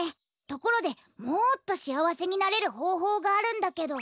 ところでもっとしあわせになれるほうほうがあるんだけど。